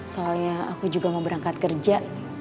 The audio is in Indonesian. soalnya aku juga mau berangkat kerja